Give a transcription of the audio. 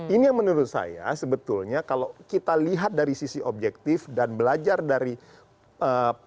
ini yang menurut saya sebetulnya kalau kita lihat dari sisi objektif dan belajar dari proses